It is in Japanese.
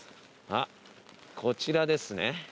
あっこちらですね。